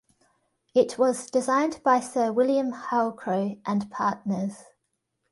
It was designed by Sir William Halcrow and Partners.